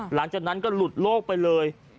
หลังจากนั้นก็หลุดโลกไปเลย